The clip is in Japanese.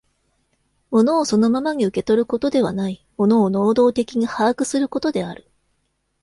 物をそのままに受け取ることではない、物を能働的に把握することである。